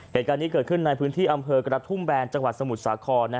เหตุการณ์นี้เกิดขึ้นในพื้นที่อำเภอกระทุ่มแบนจังหวัดสมุทรสาคร